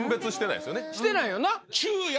してないよな。